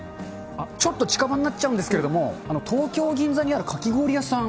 ちょっと近場になっちゃうんですけど、東京・銀座にあるかき氷屋さん。